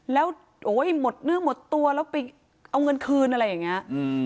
แล้วโอ้ยหมดเนื้อหมดตัวแล้วไปเอาเงินคืนอะไรอย่างนี้